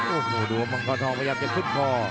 โอ้โหดูว่ามันคอนทองพยายามจะขึ้นพ่อ